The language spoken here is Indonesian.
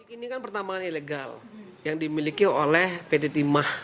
ini kan pertambangan ilegal yang dimiliki oleh pt timah